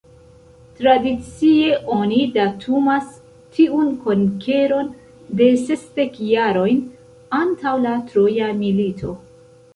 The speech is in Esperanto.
Tradicie oni datumas tiun konkeron de sesdek jarojn antaŭ la Troja milito.